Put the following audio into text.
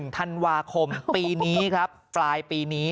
ธันวาคมปีนี้ครับปลายปีนี้